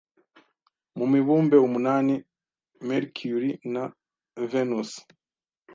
Mu mibumbe umunani Merkuri na Venusi